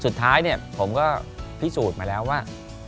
สุดท้ายเนี่ยผมก็พิสูจน์มาแล้วว่า